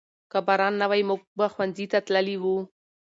که باران نه وای موږ به ښوونځي ته تللي وو.